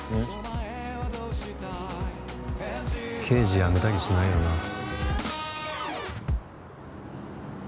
刑事やめたりしないよな？